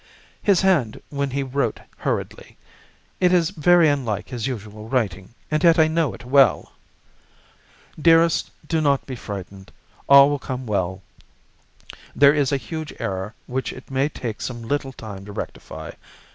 "His hand when he wrote hurriedly. It is very unlike his usual writing, and yet I know it well." "'Dearest do not be frightened. All will come well. There is a huge error which it may take some little time to rectify.